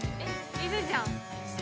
いるじゃん。